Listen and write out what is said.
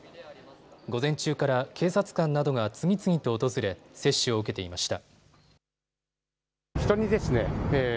午前中から警察官などが次々と訪れ接種を受けていました。